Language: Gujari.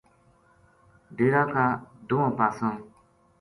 ڈیرا کا دواں پاساں